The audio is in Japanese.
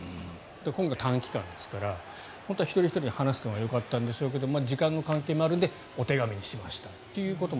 今回、短期間ですから本当は一人ひとりに話すのがよかったんでしょうけど時間の関係もあるのでお手紙にしましたと。